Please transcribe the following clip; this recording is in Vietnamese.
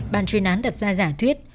bàn truyền án đặt ra giải thuyết